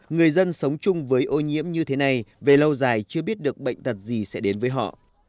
người dân sống chung với ô nhiễm như thế này về lâu dài chưa biết được bệnh tật gì sẽ đến với họ